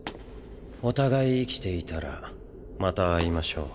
お互い生きていたらまた会いましょう。